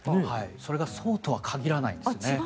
それがそうとは限らないんですね。